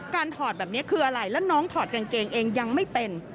ถอดแบบนี้คืออะไรแล้วน้องถอดกางเกงเองยังไม่เป็น